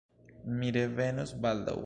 Mi revenos baldaŭ.